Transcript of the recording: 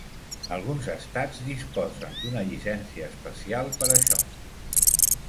Alguns estats disposen d'una llicència especial per a això.